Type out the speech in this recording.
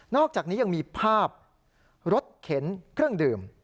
อกจากนี้ยังมีภาพรถเข็นเครื่องดื่ม